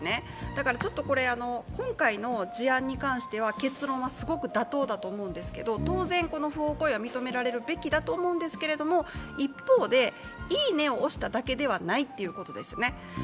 だからちょっと今回の事案に関しては結論はすごく妥当だと思うんですけれども、当然、この不法行為は認められるべきだと思うんですけれども、一方で「いいね」を押しただけではないということですよね。